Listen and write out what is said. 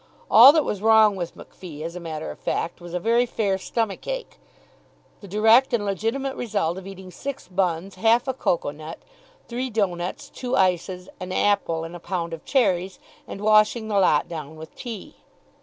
All that was wrong with MacPhee, as a matter of fact, was a very fair stomach ache, the direct and legitimate result of eating six buns, half a cocoa nut, three doughnuts, two ices, an apple, and a pound of cherries, and washing the lot down with tea.